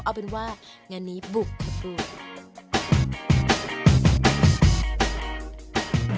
เอาเป็นว่างานนี้บุกครับคุณ